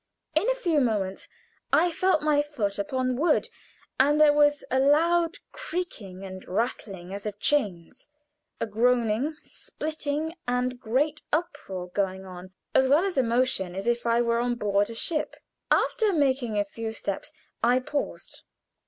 In a few moments I felt my foot upon wood, and there was a loud creaking and rattling, as of chains, a groaning, splitting, and great uproar going on, as well as a motion as if I were on board a ship. After making a few steps I paused.